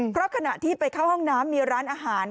เพราะขณะที่ไปเข้าห้องน้ำมีร้านอาหาร